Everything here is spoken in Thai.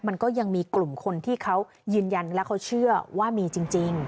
มันก็ยังมีกลุ่มคนที่เขายืนยันและเขาเชื่อว่ามีจริง